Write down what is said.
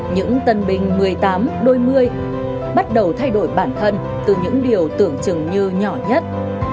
những tân binh một mươi tám đôi mươi bắt đầu thay đổi bản thân từ những điều tưởng chừng như nhỏ nhất